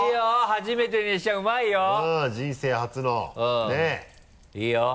初めてにしてはうまいようん人生初のねぇ。うんいいよ。